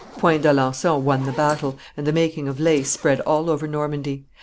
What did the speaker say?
Point d'Alencon won the battle, and the making of lace spread all over Normandy.